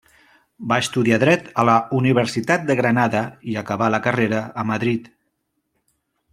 Va estudiar dret a la Universitat de Granada i acabà la carrera a Madrid.